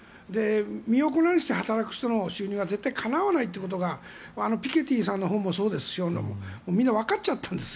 身を粉にして働く人は必ずかなわないというのがピケティさんの本もそうですがみんなわかっちゃったんです。